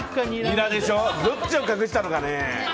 どっちを隠したのかね。